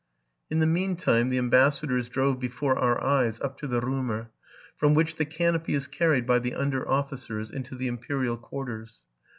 In the mean time the ambassadors drove before onr eyes up to the Romer, from which the canopy is carried by the under officers into the imperial quarters.